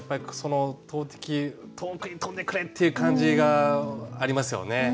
遠くに飛んでくれっていう感じがありますよね。